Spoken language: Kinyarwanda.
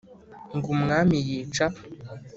Ngo umwami yica